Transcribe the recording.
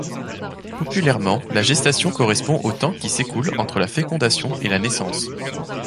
Populairement, la gestation correspond au temps qui s’écoule entre la fécondation et la naissance.